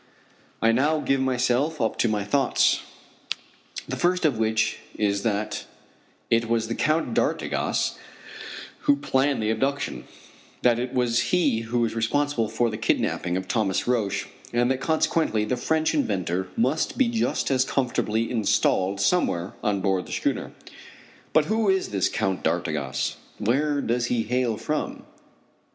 I now give myself up to my thoughts, the first of which is that it was the Count d'Artigas who planned the abduction; that it was he who is responsible for the kidnapping of Thomas Roch, and that consequently the French inventor must be just as comfortably installed somewhere on board the schooner. But who is this Count d'Artigas? Where does he hail from?